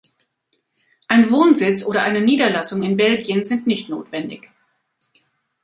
Ein Wohnsitz oder eine Niederlassung in Belgien sind nicht notwendig.